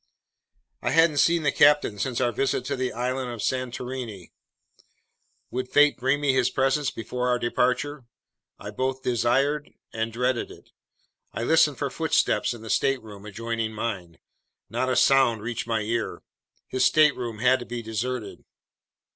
I hadn't seen the captain since our visit to the island of Santorini. Would fate bring me into his presence before our departure? I both desired and dreaded it. I listened for footsteps in the stateroom adjoining mine. Not a sound reached my ear. His stateroom had to be deserted.